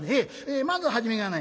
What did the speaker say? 「まず初めがね